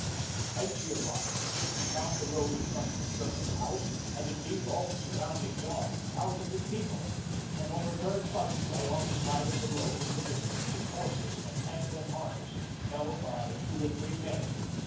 When she arrived, she found the road in front of the German's house, and, indeed, all the surrounding yard, crowded with people. An overturned buggy lay on the side of the road in the distance, its horses in a tangle of harness, held by two or three men.